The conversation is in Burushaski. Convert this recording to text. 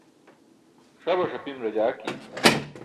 Ṣabaṣ apim rajaajki.